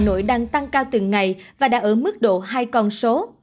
hà nội đang tăng cao từng ngày và đã ở mức độ hai con số